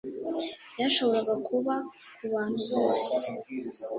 Byashoboraga kuba kubantu bose.